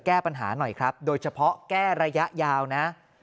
แก้ปัญหาหน่อยครับโดยเฉพาะแก้ระยะยาวนะ